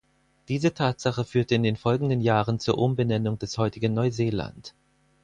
Diese Tatsache führte in den folgenden Jahren zur Umbenennung des heutigen Neuseeland.